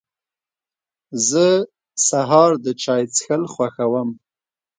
زه د سهار د چای څښل خوښوم.